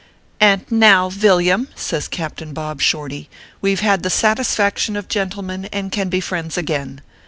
"And now, Villiam/ says Captain Bob Shorty, " we ve had the satisfaction of gentlemen, and can be friends again.